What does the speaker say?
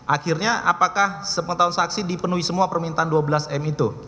akhirnya apakah sepengetahuan saksi dipenuhi semua permintaan dua belas m itu